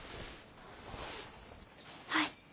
はい。